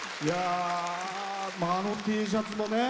あのＴシャツもね。